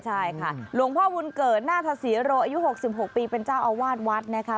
ใช่ค่ะหลวงพ่อบุญเกิดนาธศรีโรอายุ๖๖ปีเป็นเจ้าอาวาสวัดนะคะ